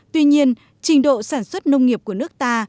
tuy nhiên trình độ sản xuất nông nghiệp của nước ta